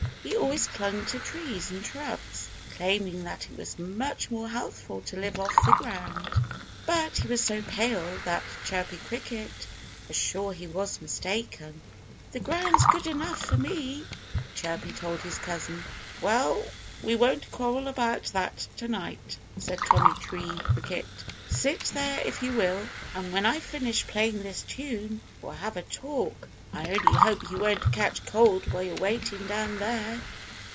He always clung to trees and shrubs, claiming that it was much more healthful to live off the ground. But he was so pale that Chirpy Cricket was sure he was mistaken. "The ground's good enough for me," Chirpy told his cousin. "Well, we won't quarrel about that tonight," said Tommy Tree Cricket. "Sit there, if you will. And when I've finished playing this tune we'll have a talk. I only hope you won't catch cold while you're waiting down there."